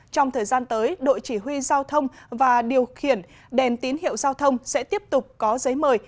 trong thời gian tới đội chỉ huy giao thông và điều khiển đèn tín hiệu giao thông sẽ tiếp tục có giấy mời